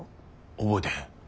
覚えてへん。